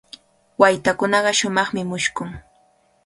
Waytakunaqa shumaqmi mushkun.